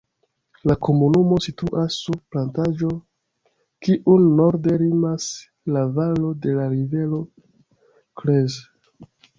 La komunumo situas sur plataĵo, kiun norde limas la valo de la rivero Creuse.